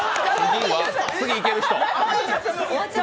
次いける人。